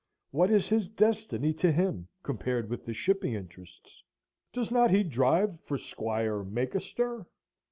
What is his destiny to him compared with the shipping interests? Does not he drive for Squire Make a stir?